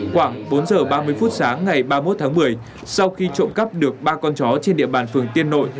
khoảng bốn giờ ba mươi phút sáng ngày ba mươi một tháng một mươi sau khi trộm cắp được ba con chó trên địa bàn phường tiên nội